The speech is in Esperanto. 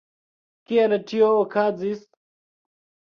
Kiel tio okazis?